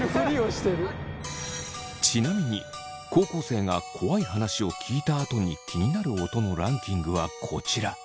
ちなみに高校生が怖い話を聞いたあとに気になる音のランキングはこちら。